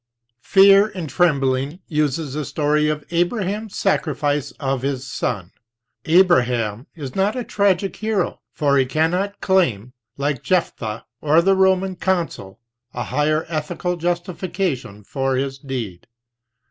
Fear and Trembling uses the story of Abraham's sacrifice of his son. Abraham is not a tragic hero, for he cannot claim, like Jephtah or the Roman consul, a higher ethical justification for his deed.